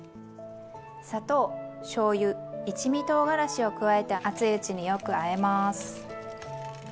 砂糖しょうゆ一味とうがらしを加えて熱いうちによくあえます。